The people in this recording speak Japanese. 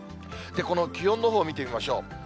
この気温のほう見てみましょう。